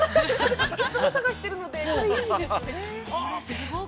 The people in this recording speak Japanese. ◆いつも探してるので、これ、いいですね。